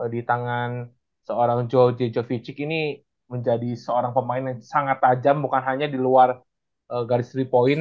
di tangan seorang joe j jovicik ini menjadi seorang pemain yang sangat tajam bukan hanya di luar garis tiga point